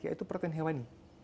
yaitu protein hewani